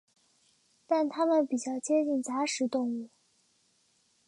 但它们比较接近杂食动物。